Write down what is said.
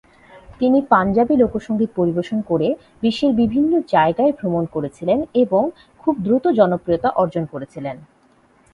তিনি পাঞ্জাবি লোকসঙ্গীত পরিবেশন করে বিশ্বের বিভিন্ন জায়গায় ভ্রমণ করেছিলেন এবং তিনি খুব দ্রুত জনপ্রিয়তা অর্জন করেছিলেন।